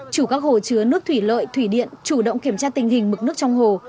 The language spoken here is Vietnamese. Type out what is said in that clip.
chủ các hồ chứa nước thủy lợi thủy điện chủ động kiểm tra tình hình mực nước trong hồ